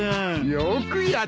よくやった！